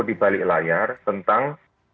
di balik layar tentang